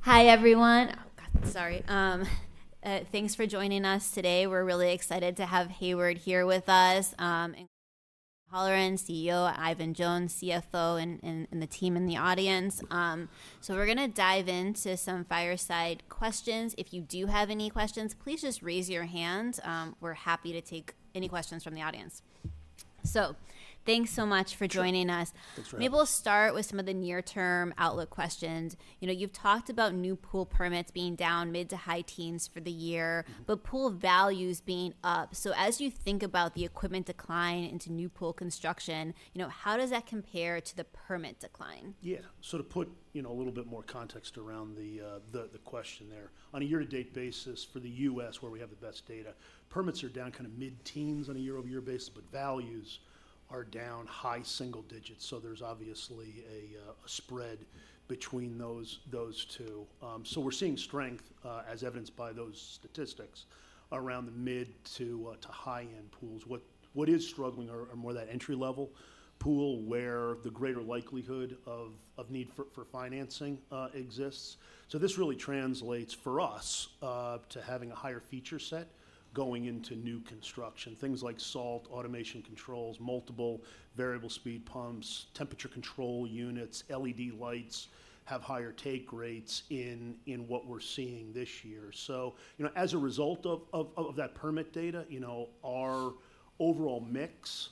Hi, everyone. Sorry, thanks for joining us today. We're really excited to have Hayward here with us, and Holleran, CEO, Eifion Jones, CFO, and the team in the audience. We're gonna dive into some fireside questions. If you do have any questions, please just raise your hand, we're happy to take any questions from the audience. Thanks so much for joining us. Sure. Thanks for having- Maybe we'll start with some of the near-term outlook questions. You know, you've talked about new pool permits being down mid to high teens for the year, but pool values being up. So as you think about the equipment decline into new pool construction, you know, how does that compare to the permit decline? Yeah. So to put, you know, a little bit more context around the question there. On a year-to-date basis for the U.S., where we have the best data, permits are down kind of mid-teens on a year-over-year basis, but values are down high single digits, so there's obviously a spread between those two. So we're seeing strength, as evidenced by those statistics, around the mid to high-end pools. What is struggling are more that entry-level pool, where the greater likelihood of need for financing exists. So this really translates for us to having a higher feature set going into new construction. Things like salt, automation controls, multiple variable speed pumps, temperature control units, LED lights, have higher take rates in what we're seeing this year. So, you know, as a result of that permit data, you know, our overall mix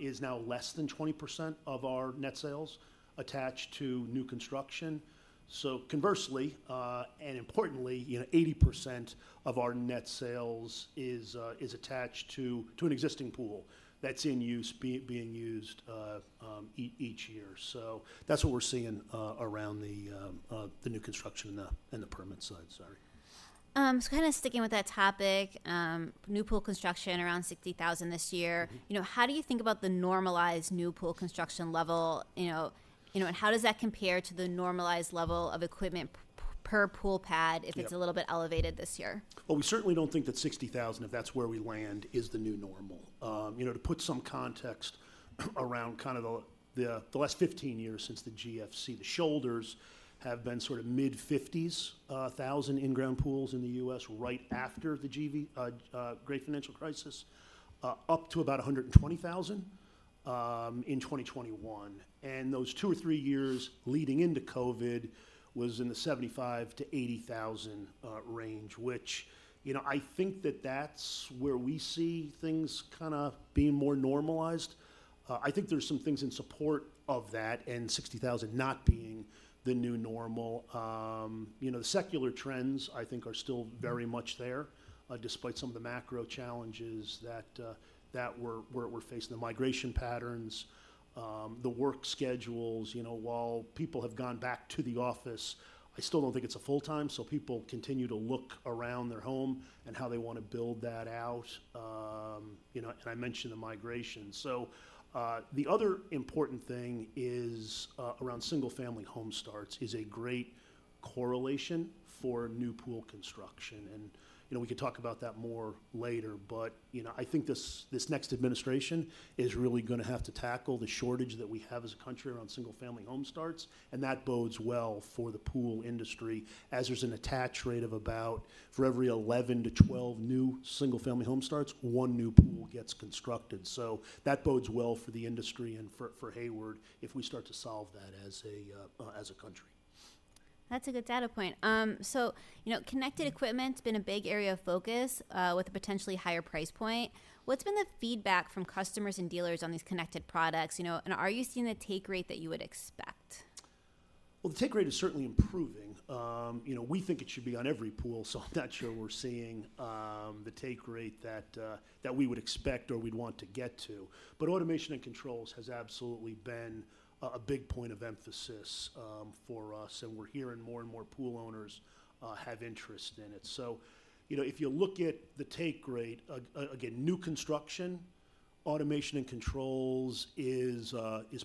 is now less than 20% of our net sales attached to new construction. So conversely, and importantly, you know, 80% of our net sales is attached to an existing pool that's in use, being used each year. So that's what we're seeing around the new construction and the permit side. Sorry. So kinda sticking with that topic, new pool construction around 60,000 this year. You know, how do you think about the normalized new pool construction level, you know? You know, and how does that compare to the normalized level of equipment per pool pad if it's a little bit elevated this year? Well, we certainly don't think that 60,000, if that's where we land, is the new normal. You know, to put some context around kind of the last 15 years since the GFC, the shoulders have been sort of mid-50,000 in-ground pools in the U.S. right after the GFC, great financial crisis, up to about 120,000 in 2021, and those two or three years leading into COVID was in the 75,000-80,000 range, which, you know, I think that that's where we see things kinda being more normalized. I think there's some things in support of that, and 60,000 not being the new normal. You know, the secular trends, I think, are still very much there, despite some of the macro challenges that we're facing, the migration patterns, the work schedules. You know, while people have gone back to the office, I still don't think it's a full-time, so people continue to look around their home and how they wanna build that out. You know, and I mentioned the migration. So, the other important thing is around single-family home starts, is a great correlation for new pool construction, and, you know, we can talk about that more later. But, you know, I think this next administration is really gonna have to tackle the shortage that we have as a country around single-family home starts, and that bodes well for the pool industry, as there's an attached rate of about, for every 11-12 new single-family home starts, one new pool gets constructed. So that bodes well for the industry and for Hayward if we start to solve that as a country. That's a good data point. So you know, connected equipment's been a big area of focus, with a potentially higher price point. What's been the feedback from customers and dealers on these connected products, you know, and are you seeing the take rate that you would expect? The take rate is certainly improving. You know, we think it should be on every pool, so I'm not sure we're seeing the take rate that we would expect or we'd want to get to. Automation and controls has absolutely been a big point of emphasis for us, and we're hearing more and more pool owners have interest in it. You know, if you look at the take rate, again, new construction, automation and controls is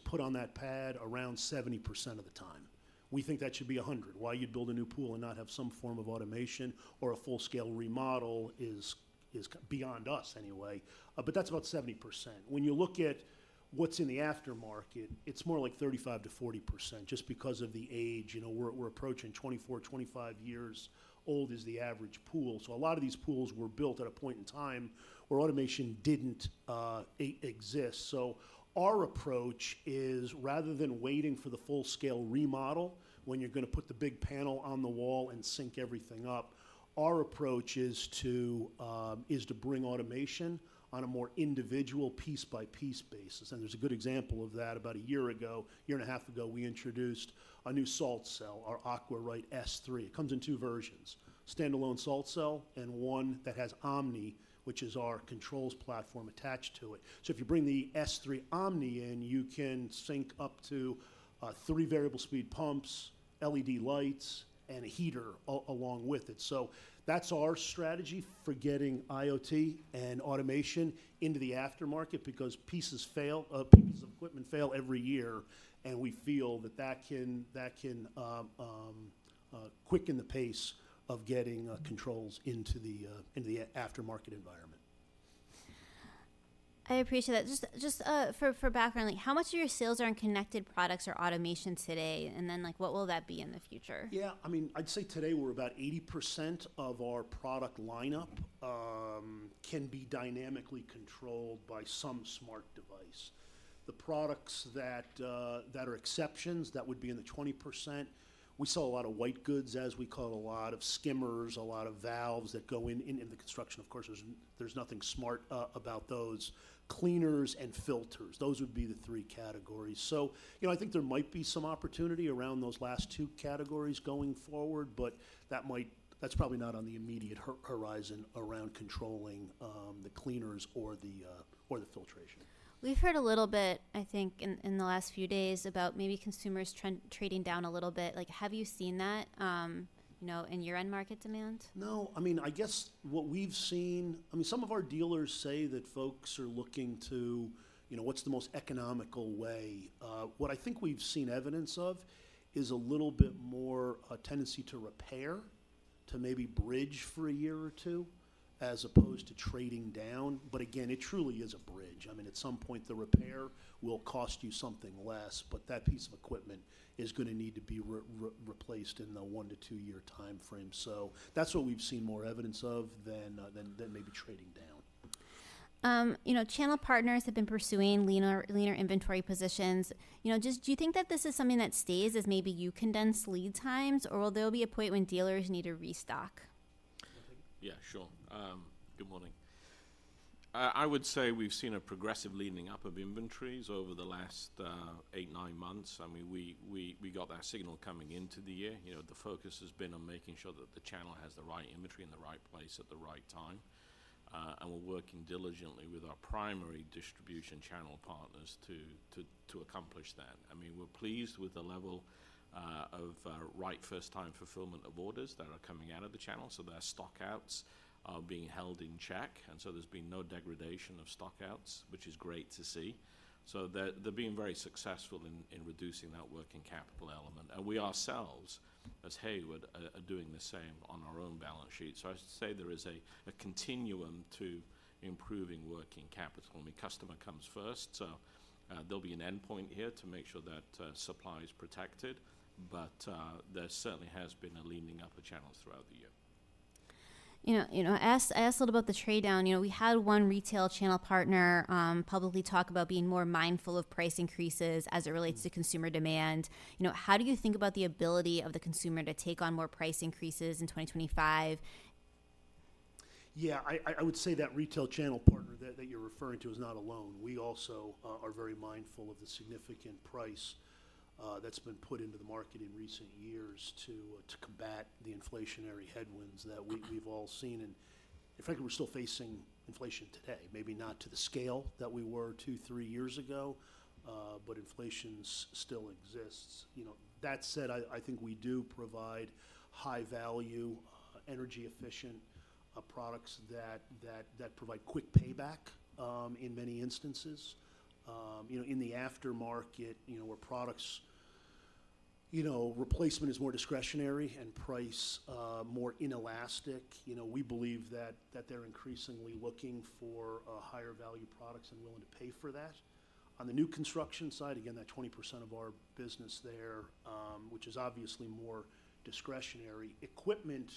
put on that pad around 70% of the time. We think that should be 100. Why you'd build a new pool and not have some form of automation or a full-scale remodel is beyond us, anyway, but that's about 70%. When you look at what's in the aftermarket, it's more like 35%-40% just because of the age. You know, we're approaching 24-25 years old is the average pool. So a lot of these pools were built at a point in time where automation didn't exist. So our approach is, rather than waiting for the full-scale remodel, when you're gonna put the big panel on the wall and sync everything up, our approach is to bring automation on a more individual piece-by-piece basis, and there's a good example of that. About a year ago, a year and a half ago, we introduced a new salt cell, our AquaRite S3. It comes in two versions: standalone salt cell and one that has Omni, which is our controls platform, attached to it. So if you bring the S3 Omni in, you can sync up to three variable-speed pumps, LED lights, and a heater along with it, so that's our strategy for getting IoT and automation into the aftermarket because pieces of equipment fail every year, and we feel that can quicken the pace of getting controls into the aftermarket environment. I appreciate that. Just for background, like, how much of your sales are in connected products or automation today? And then, like, what will that be in the future? Yeah, I mean, I'd say today we're about 80% of our product lineup can be dynamically controlled by some smart device. The products that that are exceptions, that would be in the 20%. We sell a lot of white goods, as we call, a lot of skimmers, a lot of valves that go in the construction. Of course, there's nothing smart about those. Cleaners and filters, those would be the three categories. So, you know, I think there might be some opportunity around those last two categories going forward, but that might, that's probably not on the immediate horizon around controlling the cleaners or the filtration. We've heard a little bit, I think, in the last few days, about maybe consumers trending, trading down a little bit. Like, have you seen that, you know, in your end market demand? No. I mean, I guess what we've seen. I mean, some of our dealers say that folks are looking to, you know, what's the most economical way? What I think we've seen evidence of is a little bit more a tendency to repair, to maybe bridge for a year or two, as opposed to trading down. But again, it truly is a bridge. I mean, at some point, the repair will cost you something less, but that piece of equipment is gonna need to be replaced in the one to two-year timeframe. So that's what we've seen more evidence of than maybe trading down. You know, channel partners have been pursuing leaner inventory positions. You know, just, do you think that this is something that stays as maybe you condense lead times, or will there be a point when dealers need to restock? Want to take it? Yeah, sure. Good morning. I would say we've seen a progressive leaning up of inventories over the last eight, nine months. I mean, we got that signal coming into the year. You know, the focus has been on making sure that the channel has the right inventory in the right place at the right time, and we're working diligently with our primary distribution channel partners to accomplish that. I mean, we're pleased with the level of right first-time fulfillment of orders that are coming out of the channel, so their stockouts are being held in check, and so there's been no degradation of stockouts, which is great to see. So they're being very successful in reducing that working capital element. We ourselves, as Hayward, are doing the same on our own balance sheet. I'd say there is a continuum to improving working capital. I mean, customer comes first, so there'll be an endpoint here to make sure that supply is protected, but there certainly has been a cleaning up of channels throughout the year. You know, I asked a little about the trade-down. You know, we had one retail channel partner publicly talk about being more mindful of price increases as it relates to consumer demand. You know, how do you think about the ability of the consumer to take on more price increases in 2025? Yeah, I would say that retail channel partner that you're referring to is not alone. We also are very mindful of the significant price that's been put into the market in recent years to combat the inflationary headwinds that we've all seen, and in fact, we're still facing inflation today. Maybe not to the scale that we were two, three years ago, but inflation still exists. You know, that said, I think we do provide high-value, energy-efficient products that provide quick payback in many instances. You know, in the aftermarket, you know, where products. You know, replacement is more discretionary and price more inelastic. You know, we believe that they're increasingly looking for higher value products and willing to pay for that. On the new construction side, again, that 20% of our business there, which is obviously more discretionary. Equipment,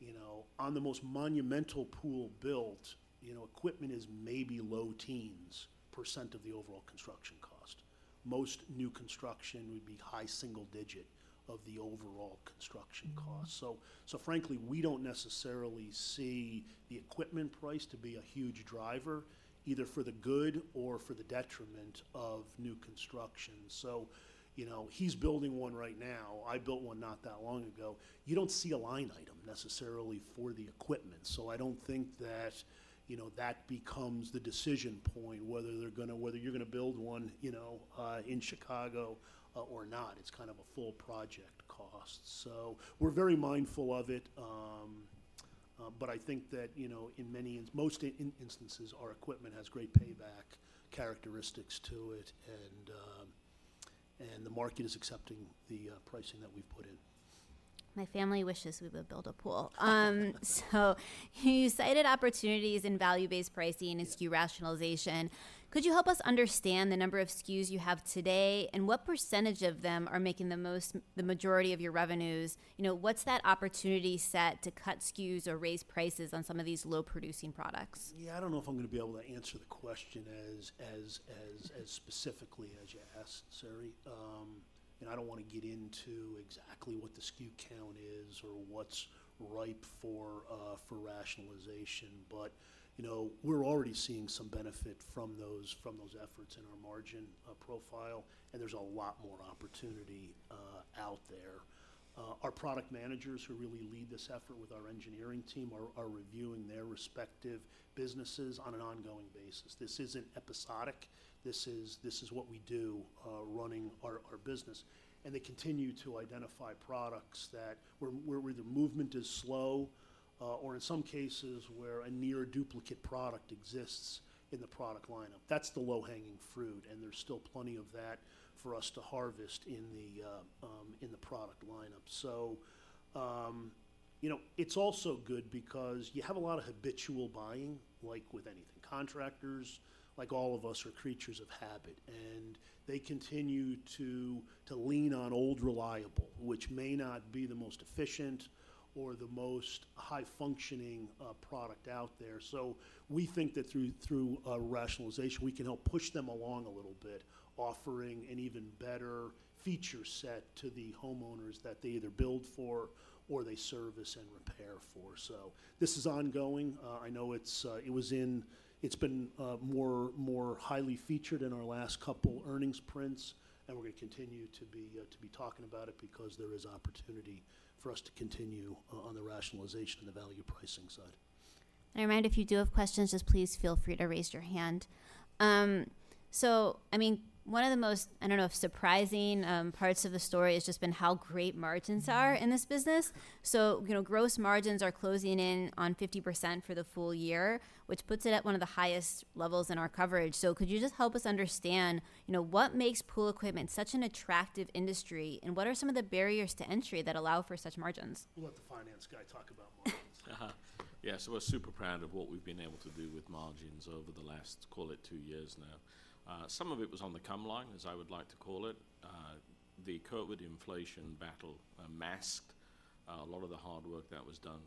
you know, on the most monumental pool built, you know, equipment is maybe low teens percent of the overall construction cost. Most new construction would be high single digit percent of the overall construction cost. So frankly, we don't necessarily see the equipment price to be a huge driver, either for the good or for the detriment of new construction. So, you know, he's building one right now. I built one not that long ago. You don't see a line item necessarily for the equipment, so I don't think that, you know, that becomes the decision point, whether you're gonna build one, you know, in Chicago, or not. It's kind of a full project cost. So we're very mindful of it, but I think that, you know, in most instances, our equipment has great payback characteristics to it, and the market is accepting the pricing that we've put in. My family wishes we would build a pool. So you cited opportunities in value-based pricing and SKU rationalization. Could you help us understand the number of SKUs you have today, and what percentage of them are making the most, the majority of your revenues? You know, what's that opportunity set to cut SKUs or raise prices on some of these low-producing products? Yeah, I don't know if I'm gonna be able to answer the question as specifically as you asked, Sari, and I don't wanna get into exactly what the SKU count is or what's ripe for rationalization, but you know, we're already seeing some benefit from those efforts in our margin profile, and there's a lot more opportunity out there. Our product managers, who really lead this effort with our engineering team, are reviewing their respective businesses on an ongoing basis. This isn't episodic. This is what we do running our business, and they continue to identify products that where the movement is slow, or in some cases, where a near duplicate product exists in the product lineup. That's the low-hanging fruit, and there's still plenty of that for us to harvest in the product lineup. So, you know, it's also good because you have a lot of habitual buying, like with anything. Contractors, like all of us, are creatures of habit, and they continue to lean on old reliable, which may not be the most efficient or the most high-functioning product out there. So we think that through rationalization, we can help push them along a little bit, offering an even better feature set to the homeowners that they either build for or they service and repair for. So this is ongoing. I know it's been more highly featured in our last couple earnings prints, and we're gonna continue to be talking about it because there is opportunity for us to continue on the rationalization and the value pricing side. I remind, if you do have questions, just please feel free to raise your hand. So I mean, one of the most, I don't know, if surprising, parts of the story has just been how great margins are in this business. So, you know, gross margins are closing in on 50% for the full year, which puts it at one of the highest levels in our coverage. So could you just help us understand, you know, what makes pool equipment such an attractive industry, and what are some of the barriers to entry that allow for such margins? We'll let the finance guy talk about margins. Yeah. So we're super proud of what we've been able to do with margins over the last, call it, two years now. Some of it was on the come line, as I would like to call it. The COVID inflation battle masked a lot of the hard work that was done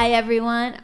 pre-COVID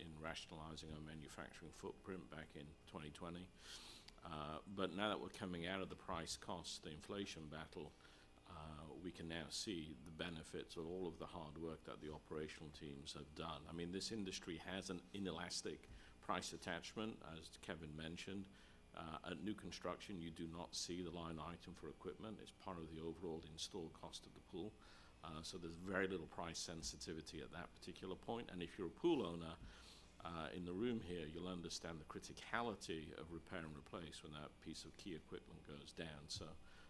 in rationalizing our manufacturing footprint back in 2020. But now that we're coming out of the price cost, the inflation battle, we can now see the benefits of all of the hard work that the operational teams have done. I mean, this industry has an inelastic price attachment, as Kevin mentioned. At new construction, you do not see the line item for equipment. It's part of the overall installed cost of the pool. So there's very little price sensitivity at that particular point, and if you're a pool owner in the room here, you'll understand the criticality of repair and replace when that piece of key equipment goes down, so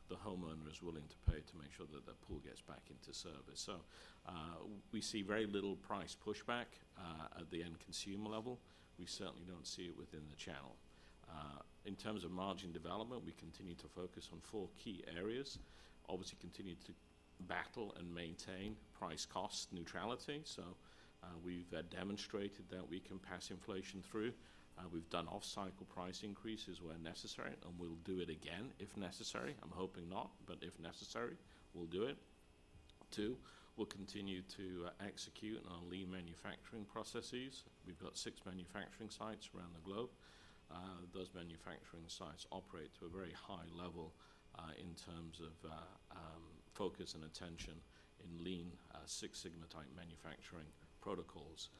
the homeowner is willing to pay to make sure that that pool gets back into service. We see very little price pushback at the end consumer level. We certainly don't see it within the channel. In terms of margin development, we continue to focus on four key areas. Obviously, continue to battle and maintain price-cost neutrality. So, we've demonstrated that we can pass inflation through. We've done off-cycle price increases where necessary, and we'll do it again, if necessary. I'm hoping not, but if necessary, we'll do it. Two, we'll continue to execute on lean manufacturing processes. We've got six manufacturing sites around the globe. Those manufacturing sites operate to a very high level in terms of focus and attention in Lean Six Sigma-type manufacturing protocols.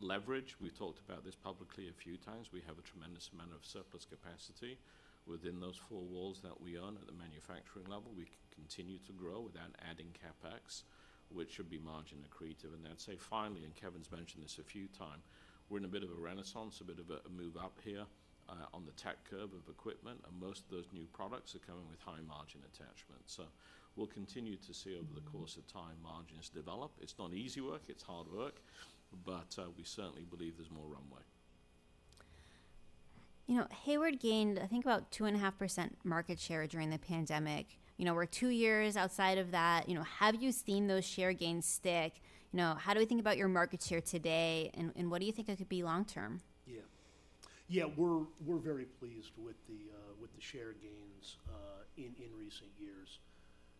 Leverage, we've talked about this publicly a few times. We have a tremendous amount of surplus capacity within those four walls that we own at the manufacturing level. We continue to grow without adding CapEx, which should be margin accretive. And then I'd say finally, and Kevin's mentioned this a few times, we're in a bit of a renaissance, a bit of a move up here on the tech curve of equipment, and most of those new products are coming with high margin attachment. So we'll continue to see over the course of time, margins develop. It's not easy work, it's hard work, but we certainly believe there's more runway. You know, Hayward gained, I think, about 2.5% market share during the pandemic. You know, we're two years outside of that. You know, have you seen those share gains stick? You know, how do we think about your market share today, and what do you think it could be long term? Yeah. Yeah, we're very pleased with the share gains in recent years.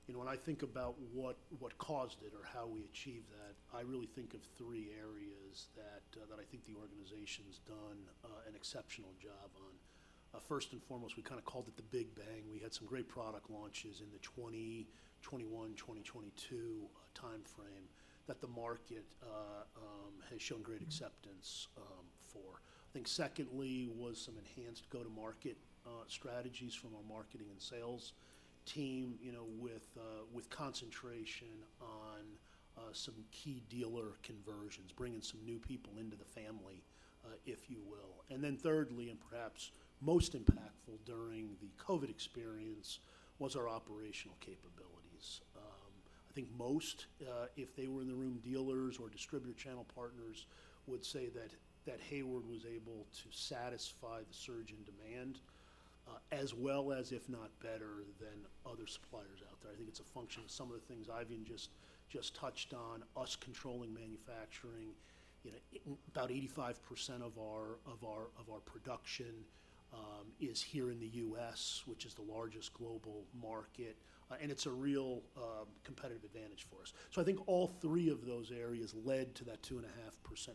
You know, when I think about what caused it or how we achieved that, I really think of three areas that I think the organization's done an exceptional job on. First and foremost, we kinda called it the Big Bang. We had some great product launches in the 2021, 2022 timeframe, that the market has shown great acceptance for. I think secondly, was some enhanced go-to-market strategies from our marketing and sales team, you know, with concentration on some key dealer conversions, bringing some new people into the family, if you will. And then thirdly, and perhaps most impactful during the COVID experience, was our operational capabilities. I think most, if they were in the room, dealers or distributor channel partners would say that Hayward was able to satisfy the surge in demand, as well as, if not better than, other suppliers out there. I think it's a function of some of the things Eifion just touched on, us controlling manufacturing. You know, about 85% of our production is here in the U.S., which is the largest global market, and it's a real competitive advantage for us. So I think all three of those areas led to that 2.5%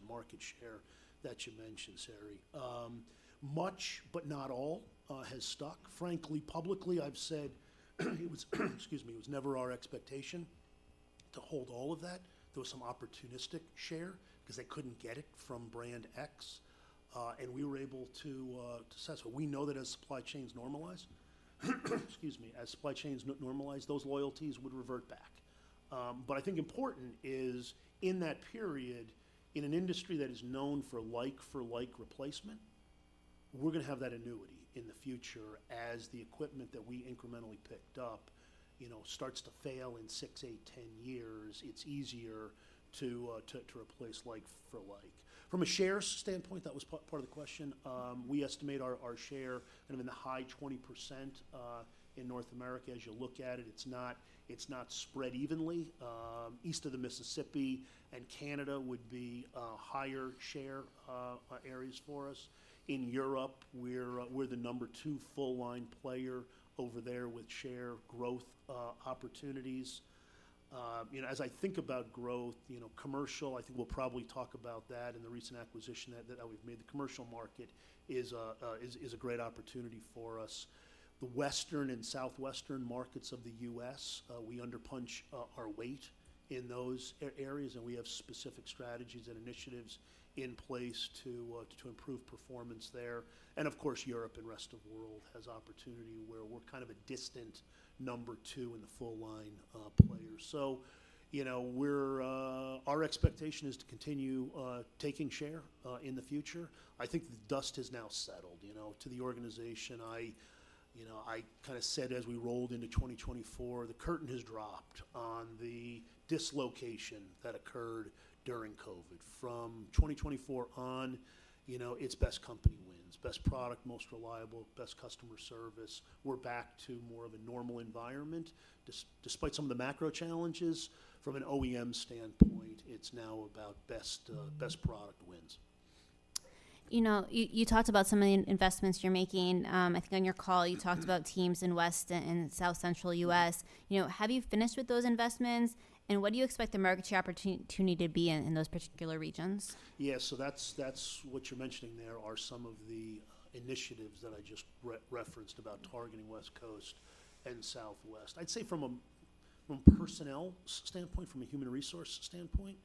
market share that you mentioned, Sari. Much, but not all, has stuck. Frankly, publicly, I've said it was, excuse me, it was never our expectation to hold all of that. There was some opportunistic share, because they couldn't get it from Brand X, and we were able to assess. But we know that as supply chains normalize, those loyalties would revert back. But I think important is, in that period, in an industry that is known for like for like replacement. We're gonna have that annuity in the future as the equipment that we incrementally picked up, you know, starts to fail in six, eight, 10 years. It's easier to replace like for like. From a share standpoint, that was part of the question, we estimate our share kind of in the high 20%, in North America. As you look at it, it's not spread evenly. East of the Mississippi and Canada would be a higher share areas for us. In Europe, we're the number two full-line player over there with share growth opportunities. You know, as I think about growth, you know, commercial, I think we'll probably talk about that and the recent acquisition that we've made. The commercial market is a great opportunity for us. The Western and Southwestern markets of the U.S., we under-punch our weight in those areas, and we have specific strategies and initiatives in place to improve performance there. And of course, Europe and rest of world has opportunity where we're kind of a distant number two in the full-line players. So, you know, we're... Our expectation is to continue taking share in the future. I think the dust has now settled, you know, to the organization. I, you know, I kinda said as we rolled into 2024, the curtain has dropped on the dislocation that occurred during COVID. From 2024 on, you know, it's best company wins, best product, most reliable, best customer service. We're back to more of a normal environment, despite some of the macro challenges. From an OEM standpoint, it's now about best, best product wins. You know, you talked about some of the investments you're making. I think on your call, you talked about teams in West and South Central U.S. You know, have you finished with those investments, and what do you expect the market share opportunity to be in those particular regions? Yeah, so that's what you're mentioning. There are some of the initiatives that I just referenced about targeting West Coast and Southwest. I'd say from a personnel standpoint, from a human resource standpoint,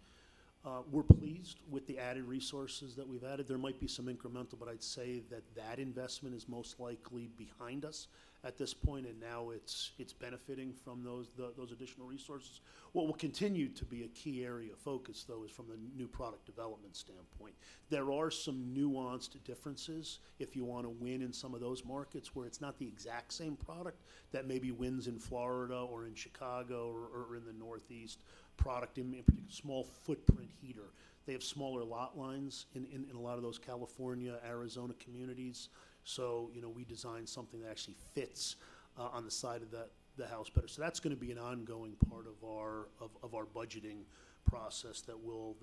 we're pleased with the added resources that we've added. There might be some incremental, but I'd say that investment is most likely behind us at this point, and now it's benefiting from those additional resources. What will continue to be a key area of focus, though, is from the new product development standpoint. There are some nuanced differences if you want to win in some of those markets, where it's not the exact same product that maybe wins in Florida or in Chicago or in the Northeast. Product in particular, small footprint heater. They have smaller lot lines in a lot of those California, Arizona communities, so, you know, we design something that actually fits on the side of the house better. So that's gonna be an ongoing part of our budgeting process that will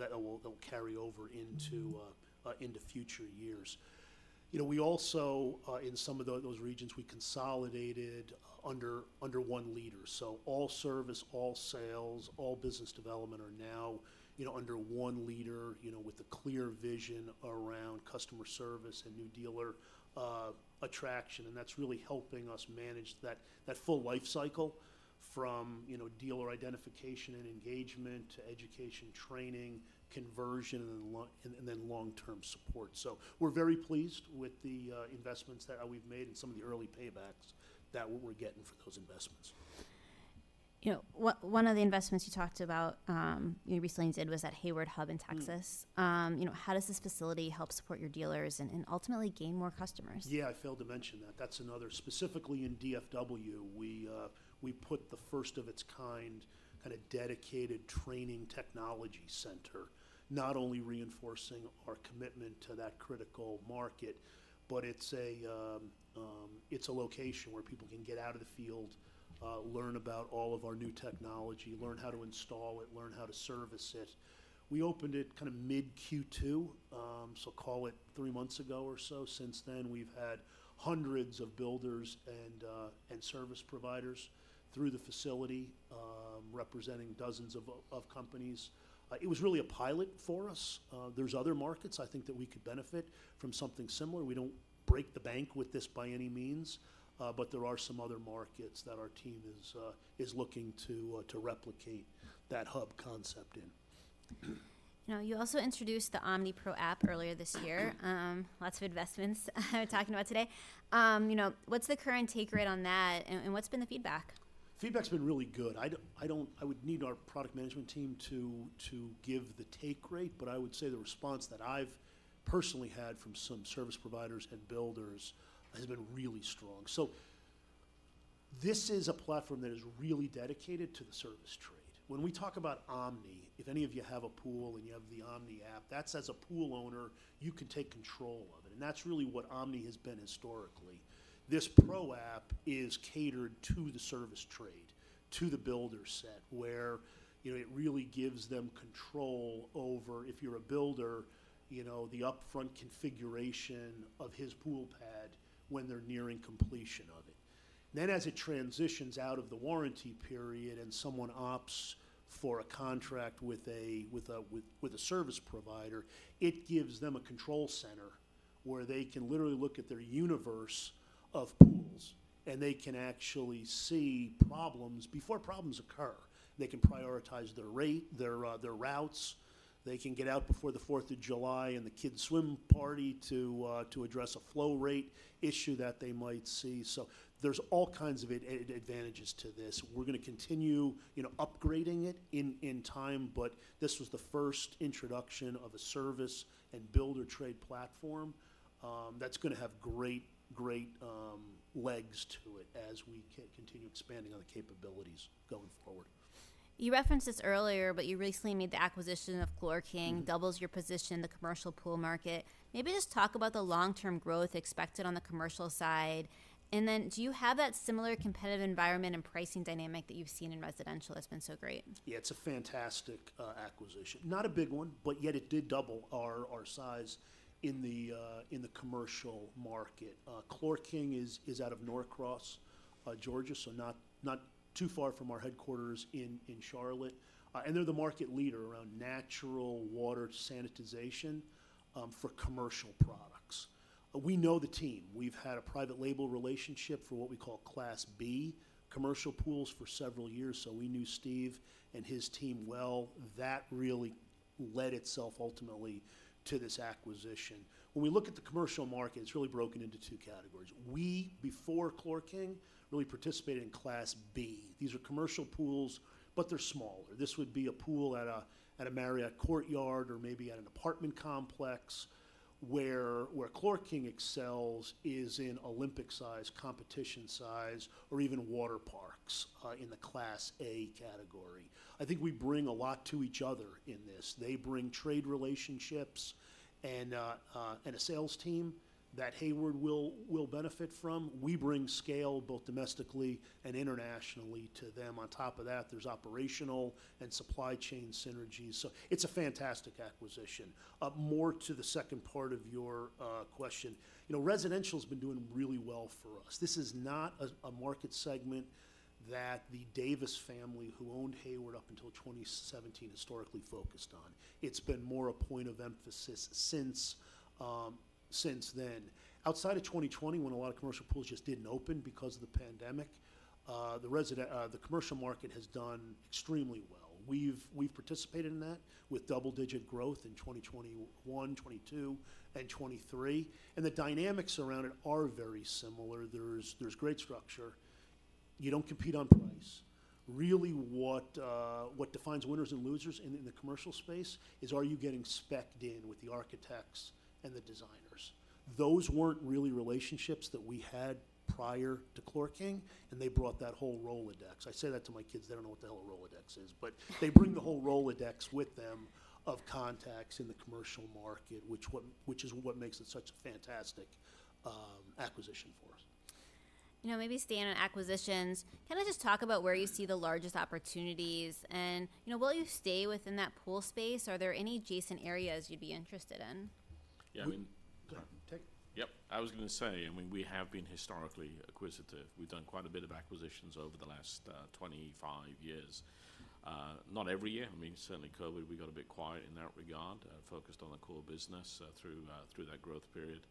carry over into future years. You know, we also in some of those regions, we consolidated under one leader. So all service, all sales, all business development are now, you know, under one leader, you know, with a clear vision around customer service and new dealer attraction, and that's really helping us manage that full life cycle from, you know, dealer identification and engagement to education, training, conversion, and then long-term support. So we're very pleased with the investments that we've made and some of the early paybacks that we're getting for those investments. You know, one of the investments you talked about, you recently did was that Hayward Hub in Texas. You know, how does this facility help support your dealers and ultimately gain more customers? Yeah, I failed to mention that. That's another... Specifically in DFW, we put the first of its kind, kind of dedicated training technology center, not only reinforcing our commitment to that critical market, but it's a location where people can get out of the field, learn about all of our new technology, learn how to install it, learn how to service it. We opened it kinda mid-Q2, so call it three months ago or so. Since then, we've had hundreds of builders and service providers through the facility, representing dozens of companies. It was really a pilot for us. There's other markets, I think, that we could benefit from something similar. We don't break the bank with this by any means, but there are some other markets that our team is looking to replicate that hub concept in. Now, you also introduced the OmniPro app earlier this year. Lots of investments we're talking about today. You know, what's the current take rate on that, and what's been the feedback? Feedback's been really good. I don't. I would need our product management team to give the take rate, but I would say the response that I've personally had from some service providers and builders has been really strong, so this is a platform that is really dedicated to the service trade. When we talk about Omni, if any of you have a pool, and you have the Omni app, that's, as a pool owner, you can take control of it, and that's really what Omni has been historically. This OmniPro app is catered to the service trade, to the builder set, where, you know, it really gives them control over, if you're a builder, you know, the upfront configuration of his pool pad when they're nearing completion of it. Then, as it transitions out of the warranty period, and someone opts for a contract with a service provider, it gives them a control center where they can literally look at their universe of pools, and they can actually see problems before problems occur. They can prioritize their rate, their routes. They can get out before the 4th of July and the kids' swim party to address a flow rate issue that they might see. So there's all kinds of advantages to this. We're gonna continue, you know, upgrading it in time, but this was the first introduction of a service and builder trade platform. That's gonna have great legs to it as we continue expanding on the capabilities going forward. You referenced this earlier, but you recently made the acquisition of ChlorKing doubles your position in the commercial pool market. Maybe just talk about the long-term growth expected on the commercial side, and then do you have that similar competitive environment and pricing dynamic that you've seen in residential that's been so great? Yeah, it's a fantastic acquisition. Not a big one, but yet it did double our size in the commercial market. ChlorKing is out of Norcross, Georgia, so not too far from our headquarters in Charlotte, and they're the market leader around natural water sanitization for commercial products. We know the team. We've had a private label relationship for what we call Class B commercial pools for several years, so we knew Steve and his team well. That really led itself ultimately to this acquisition. When we look at the commercial market, it's really broken into two categories. We, before ChlorKing, really participated in Class B. These are commercial pools, but they're smaller. This would be a pool at a Marriott Courtyard or maybe at an apartment complex. Where ChlorKing excels is in Olympic-size, competition-size, or even water parks in the Class A category. I think we bring a lot to each other in this. They bring trade relationships and a sales team that Hayward will benefit from. We bring scale, both domestically and internationally, to them. On top of that, there's operational and supply chain synergies, so it's a fantastic acquisition. More to the second part of your question, you know, residential's been doing really well for us. This is not a market segment that the Davis family, who owned Hayward up until 2017, historically focused on. It's been more a point of emphasis since then. Outside of 2020, when a lot of commercial pools just didn't open because of the pandemic, the commercial market has done extremely well. We've participated in that with double-digit growth in 2021, 2022, and 2023, and the dynamics around it are very similar. There's great structure. You don't compete on price. Really, what defines winners and losers in the commercial space is, are you getting spec'd in with the architects and the designers? Those weren't really relationships that we had prior to ChlorKing, and they brought that whole Rolodex. I say that to my kids, they don't know what the hell a Rolodex is, but they bring the whole Rolodex with them of contacts in the commercial market, which is what makes it such a fantastic acquisition for us. You know, maybe staying on acquisitions, can I just talk about where you see the largest opportunities, and, you know, will you stay within that pool space? Are there any adjacent areas you'd be interested in? Yeah, I mean- Go ahead, take it. Yep. I was gonna say, I mean, we have been historically acquisitive. We've done quite a bit of acquisitions over the last 25 years. Not every year. I mean, certainly COVID, we got a bit quiet in that regard, focused on the core business through that growth period.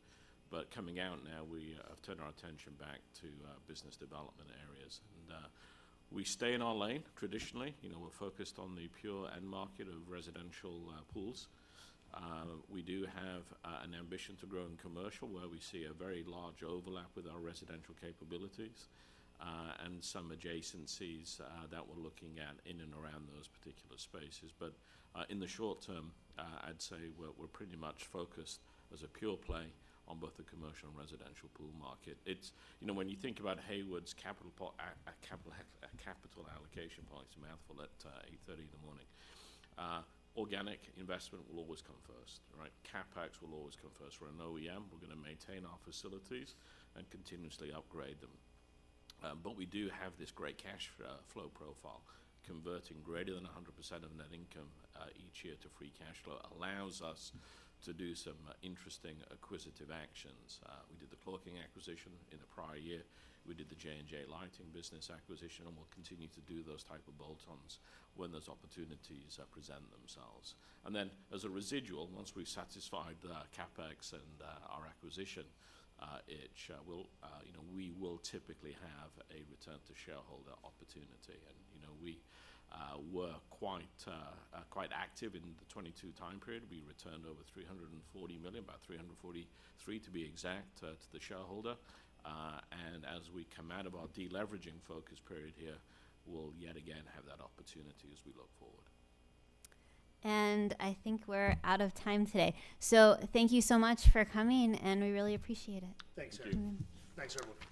But coming out now, we have turned our attention back to business development areas, and we stay in our lane. Traditionally, you know, we're focused on the pure end market of residential pools. We do have an ambition to grow in commercial, where we see a very large overlap with our residential capabilities, and some adjacencies that we're looking at in and around those particular spaces. But, in the short term, I'd say we're pretty much focused as a pure play on both the commercial and residential pool market. You know, when you think about Hayward's capital allocation policy, it's a mouthful at 8:30 in the morning. Organic investment will always come first, right? CapEx will always come first. We're an OEM. We're gonna maintain our facilities and continuously upgrade them. But we do have this great cash flow profile, converting greater than 100% of net income each year to free cash flow allows us to do some interesting acquisitive actions. We did the ChlorKing acquisition in the prior year. We did the J&J Lighting business acquisition, and we'll continue to do those type of bolt-ons when those opportunities present themselves. And then, as a residual, once we've satisfied the CapEx and our acquisition itch. You know, we will typically have a return-to-shareholder opportunity. And, you know, we were quite active in the 2022 time period. We returned over $340 million, about $343 million, to be exact, to the shareholder. And as we come out of our deleveraging focus period here, we'll yet again have that opportunity as we look forward. And I think we're out of time today. So thank you so much for coming, and we really appreciate it.